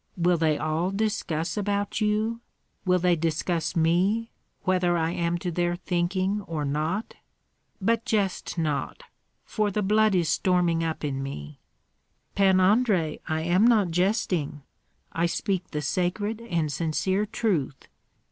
Will they all discuss about you? Will they discuss me, whether I am to their thinking or not? But jest not, for the blood is storming up in me." "Pan Andrei, I am not jesting; I speak the sacred and sincere truth.